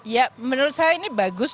ya menurut saya ini bagus